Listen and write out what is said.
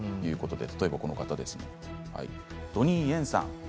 例えばこの方ドニー・イェンさん。